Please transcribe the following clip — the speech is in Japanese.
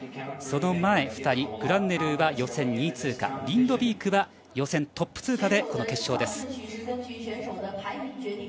その前２人グランネルーは予選２位通過リンドビークは予選トップ通過で決勝です。